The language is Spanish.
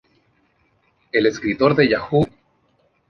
El escritor de Yahoo!